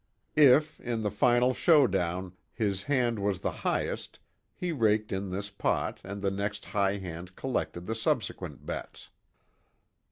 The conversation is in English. If, in the final show down his hand was the highest he raked in this pot and the next high hand collected the subsequent bets.